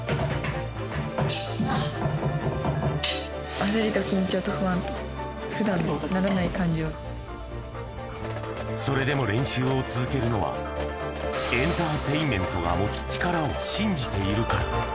焦りと緊張と不安と、それでも練習を続けるのは、エンターテインメントが持つ力を信じているから。